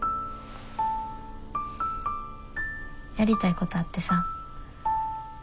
やりたいことあってさ。